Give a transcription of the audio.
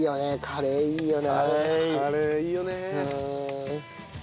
カレーいいよね。